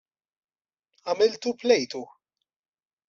Għamiltu plejtu!